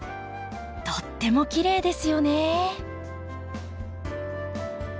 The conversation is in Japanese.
とってもきれいですよね。